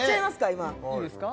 今いいですか？